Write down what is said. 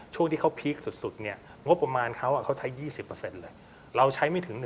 ช่วงที่เขาพีคสุดงบประมาณเขาใช้๒๐เลยเราใช้ไม่ถึง๑